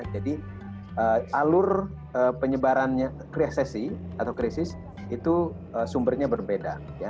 jadi alur penyebarannya krisisi itu sumbernya berbeda